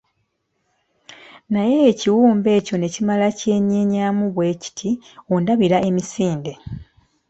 Naye ekiwumbe ekyo ne kimala kyenyeenyamu bwe kiti ondabira emisinde.